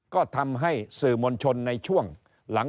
ก็ทำให้สื่อมนชนในช่วง